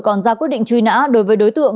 còn ra quyết định truy nã đối với đối tượng